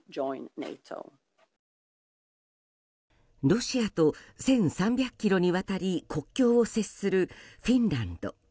ロシアと１３００ｋｍにわたり国境を接するフィンランド。